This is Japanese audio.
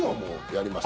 やります？